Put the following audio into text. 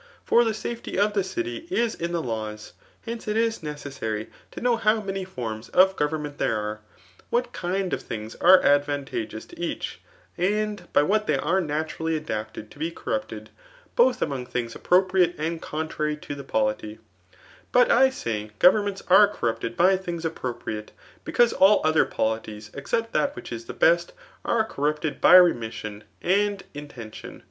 For the safety of the city is in the laws. Hence, it is necessary to know how many forms of go^ vemment there are, what kind of things are advantageous to each, and by what they are naturally ads^bed to be comiptedf both among ihii^ Appropriate and coitfrary to the polity* Biit I say^ governments are corrupted byi things ap}Hropriate, because all other polhics except thac^ \^hidi is the best, are ccMrrapted by remission and inten tjcm.